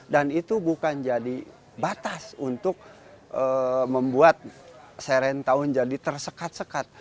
dan itu bukan jadi batas untuk membuat serentakun jadi tersekat sekat